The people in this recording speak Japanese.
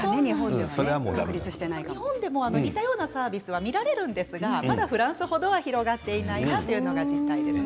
日本でも似たようなサービスは見られるんですがフランス程、広がっていないなというのが実態ですね。